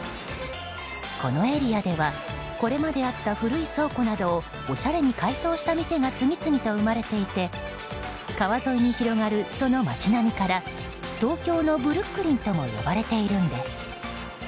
このエリアではこれまであった古い倉庫などをおしゃれに改装した店が次々と生まれていて川沿いに広がる、その街並みから東京のブルックリンとも呼ばれているんです。